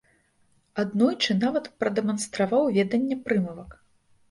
Аднойчы нават прадэманстраваў веданне прымавак.